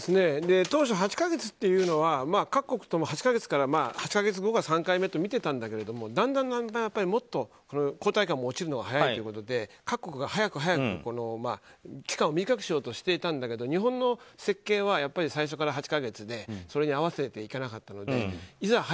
当初８か月というのは各国とも８か月後が３回目とみていたんだけどもだんだん、もっと抗体価も落ちるのが早いということで各国が早く早く期間を短くしようとしていたんだけど日本の設計は最初から８か月でそれに合わせていかなかったのでいざ